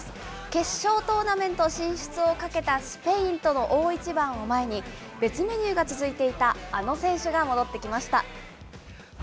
決勝トーナメント進出をかけたスペインとの大一番を前に、別メニューが続いていたあの選手が戻ってきました。